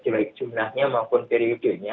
baik jumlahnya maupun periodenya